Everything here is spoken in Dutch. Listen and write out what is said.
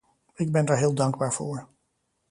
Ik ben daar heel dankbaar voor.